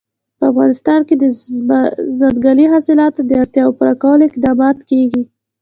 په افغانستان کې د ځنګلي حاصلاتو د اړتیاوو پوره کولو اقدامات کېږي.